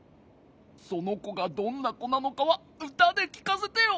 そのこがどんなこなのかはうたできかせてよ。